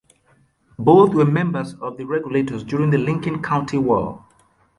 Both were members of the Regulators during the Lincoln County War.